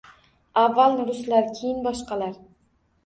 Avval ruslar, keyin boshqalar.